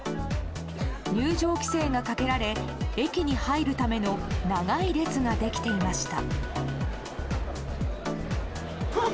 入場規制がかけられ駅に入るための長い列ができていました。